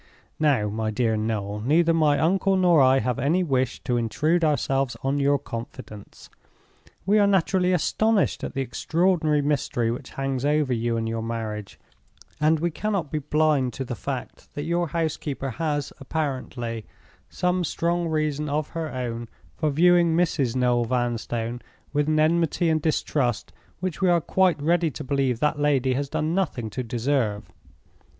"Now, my dear Noel, neither my uncle nor I have any wish to intrude ourselves on your confidence. We are naturally astonished at the extraordinary mystery which hangs over you and your marriage, and we cannot be blind to the fact that your housekeeper has, apparently, some strong reason of her own for viewing Mrs. Noel Vanstone with an enmity and distrust which we are quite ready to believe that lady has done nothing to deserve.